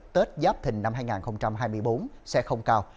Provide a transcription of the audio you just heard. tết giáp thình năm hai nghìn hai mươi bốn sẽ không cao